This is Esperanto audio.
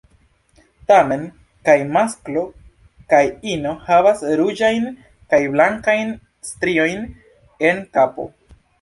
Tamen kaj masklo kaj ino havas ruĝajn kaj blankajn striojn en kapo.